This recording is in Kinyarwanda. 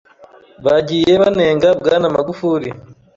bagiye banenga Bwana Magufuli